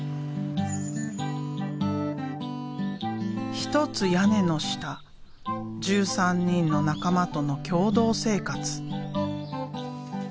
一つ屋根の下１３人の仲間との共同生活。